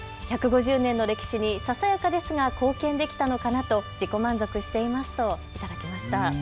１５０年の歴史にささやかですが貢献できたのかなと自己満足していますと頂きました。